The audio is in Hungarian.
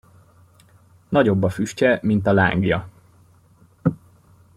Nagyobb a füstje, mint a lángja.